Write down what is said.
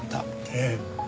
ええ。